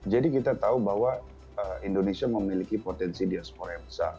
jadi kita tahu bahwa indonesia memiliki potensi diaspora yang besar